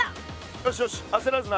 よしよしあせらずな。